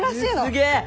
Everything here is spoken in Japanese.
すげえ！